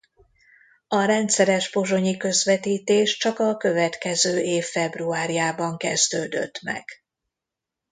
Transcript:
A rendszeres pozsonyi közvetítés csak a következő év februárjában kezdődött meg.